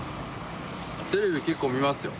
テレビ結構見ますよ。